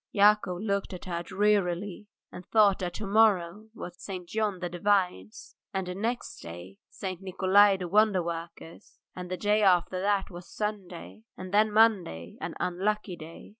Yakov looked at her drearily and thought that to morrow was St. John the Divine's, and next day St. Nikolay the Wonder worker's, and the day after that was Sunday, and then Monday, an unlucky day.